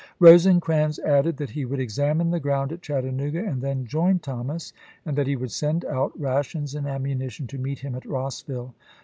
Rosecrans added that he would examine the ground at Chattanooga and then join Thomas, and that he would send out rations and ammunition to meet him at Rossville.